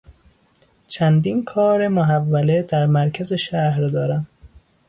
چندین کار محوله در مرکز شهر دارم.